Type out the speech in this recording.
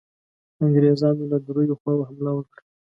انګرېزانو له دریو خواوو حمله وکړه.